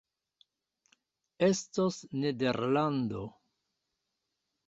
Estos Nederlando!